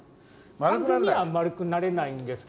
完全には丸くなれないんですけど。